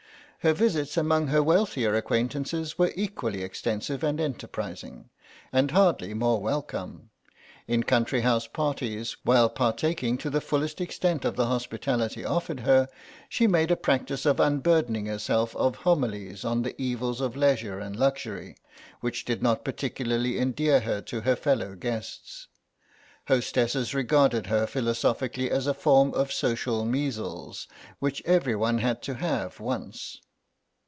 Her visits among her wealthier acquaintances were equally extensive and enterprising, and hardly more welcome; in country house parties, while partaking to the fullest extent of the hospitality offered her, she made a practice of unburdening herself of homilies on the evils of leisure and luxury, which did not particularly endear her to her fellow guests. Hostesses regarded her philosophically as a form of social measles which everyone had to have once.